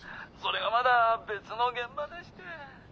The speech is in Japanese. それがまだ別の現場でして。